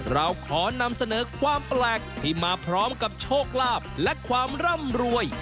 เราขอนำเสนอความแปลกที่มาพร้อมกับโชคลาภและความร่ำรวย